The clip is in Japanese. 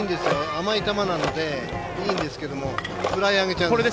甘い球なので、いいんですけどフライに上げちゃう。